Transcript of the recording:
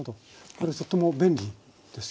これはとっても便利ですよね？